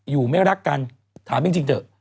อยู่ไม่รักกันถามจริงเถอะ